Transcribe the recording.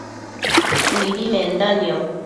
mibi menda nio